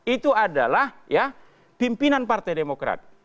itu adalah pimpinan partai demokrat